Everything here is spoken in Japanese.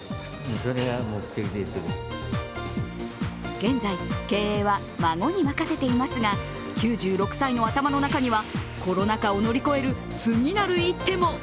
現在、経営は孫に任せていますが９６歳の頭の中には、コロナ禍を乗り越える次なる一手も。